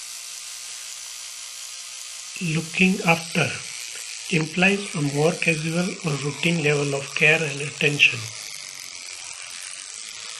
"Looking after" implies a more casual or routine level of care and attention.